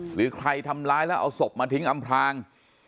หรือใครทำร้ายแล้วเอาศพมาทิ้งอำพลาง